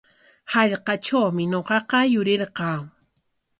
Hallqatrawmi ñuqaqa yurirqaa.